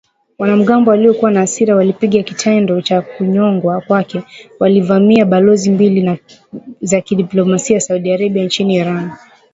Wanamgambo waliokuwa na hasira walipinga kitendo cha kunyongwa kwake, walivamia balozi mbili za kidiplomasia za Saudi Arabia nchini Iran